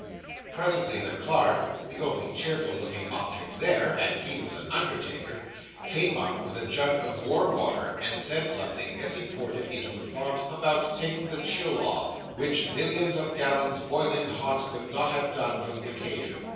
Presently the clerk (the only cheerful looking object there, and he was an undertaker) came up with a jug of warm water, and said something, as he poured it into the font, about taking the chill off; which millions of gallons boiling hot could not have done for the occasion.